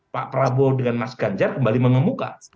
pak prabowo dengan mas ganjar kembali mengemuka